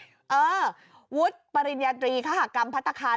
เออวุฒิปริญญาตรีคหากรรมพัฒนาคาร